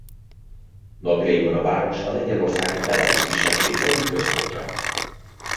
Napjainkban a város a lengyelországi belarusz kisebbség egyik központja.